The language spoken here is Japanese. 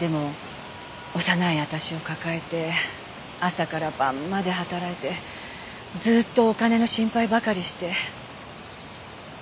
でも幼い私を抱えて朝から晩まで働いてずーっとお金の心配ばかりして。